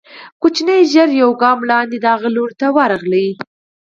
ماشومه ژر يو ګام وړاندې د هغه لوري ته ورغله.